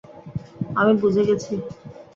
আমি বুঝে গেছি।